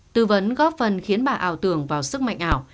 tư vấn góp phần khiến bà ảo tưởng vào sức mạnh ảo